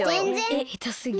えへたすぎ。